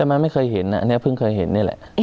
แต่มันไม่เคยเห็นอ่ะเนี่ยเพิ่งเคยเห็นเนี่ยแหละ